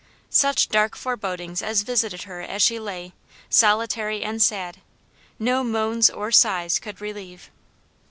Such dark forebodings as visited her as she lay, solitary and sad, no moans or sighs could relieve.